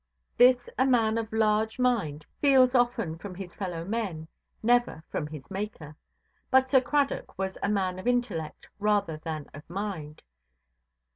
This a man of large mind feels often from his fellow–men, never from his Maker. But Sir Cradock was a man of intellect, rather than of mind.